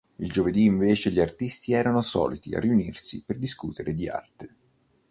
Il giovedì invece gli artisti erano soliti riunirsi per discutere di arte.